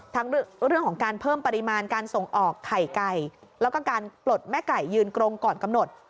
ทั้งเรื่องของการเพิ่มปริมาณการส่งออกไข่ไก่แล้วก็การปลดแม่ไก่ยืนกรงก่อนกำหนด